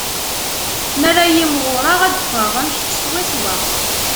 Mi ara imɣureɣ, ad d-ffɣeɣ am kečč swaswa.